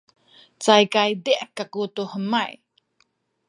cayay kaydih kaku tu hemay